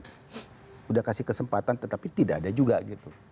sudah kasih kesempatan tetapi tidak ada juga gitu